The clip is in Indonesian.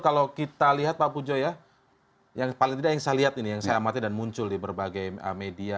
kalau kita lihat pak pujo ya yang paling tidak yang saya lihat ini yang saya amati dan muncul di berbagai media